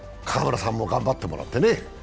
川村さんも頑張ってもらってね。